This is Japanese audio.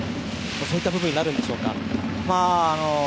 そういった部分になるでしょうか。